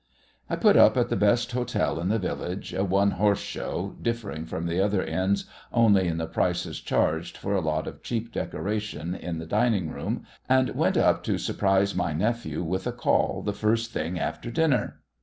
I put up at the best hotel in the village, a one horse show, differing from the other inns only in the prices charged for a lot of cheap decoration in the dining room, and went up to surprise my nephew with a call the first thing after dinner.